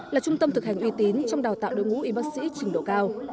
là trung tâm thực hành uy tín trong đào tạo đội ngũ y bác sĩ trình độ cao